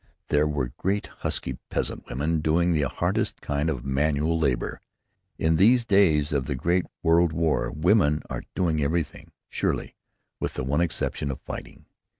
There were great husky peasant women doing the hardest kind of manual labor. In these latter days of the great world war, women are doing everything, surely, with the one exception of fighting.